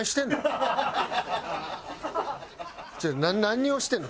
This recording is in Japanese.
違う何をしてんの？